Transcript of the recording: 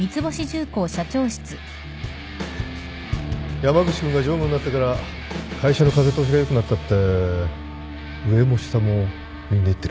山口君が常務になってから会社の風通しが良くなったって上も下もみんな言ってる。